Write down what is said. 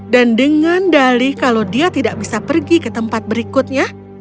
dan dengan dali kalau dia tidak bisa pergi ke tempat berikutnya dia memohon kepadaku